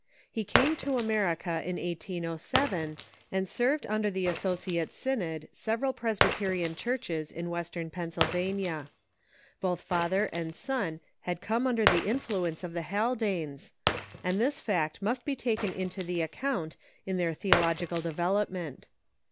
He came to America in 1807, and served under the Associate Synod several Presbyterian churches in Western Pennsylvania. Both father and son had come under the influence of the Ilnldanes, 558 THE CHURCH IN THE UNITED STATES and this fact must be taken into the account in their theologi cal development.